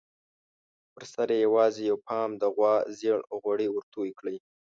پر سر یې یوازې یو پاو د غوا زېړ غوړي ورتوی کړي.